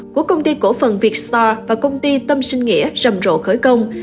của công ty cổ phần vietstor và công ty tâm sinh nghĩa rầm rộ khởi công